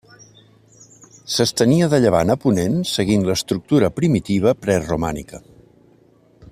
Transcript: S'estenia de llevant a ponent seguint l'estructura primitiva preromànica.